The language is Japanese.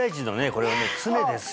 これはね常ですよ